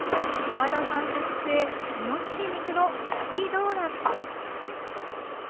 山田さん特製、イノシシ肉の焼きドーナツです。